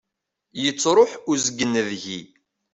Yettruḥ uzgen deg-i.